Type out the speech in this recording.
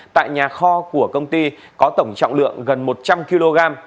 tại nhà kho của công ty có tổng trọng lượng gần một trăm linh kg